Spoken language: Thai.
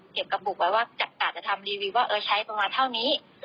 เก็บกระบุไว้ว่าจัดการจะทำรีวิวว่าใช้มาเท่านี้